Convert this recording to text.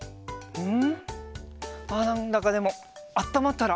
うん。